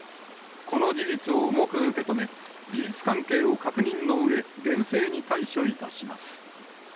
この事実を重く受け止め、事実関係を確認のうえ、厳正に対処いたします。